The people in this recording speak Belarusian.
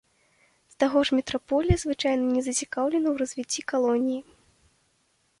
Да таго ж метраполія звычайна не зацікаўлена ў развіцці калоніі.